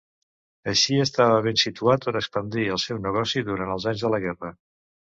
Així, estava ben situat per expandir el seu negoci durant els anys de la guerra.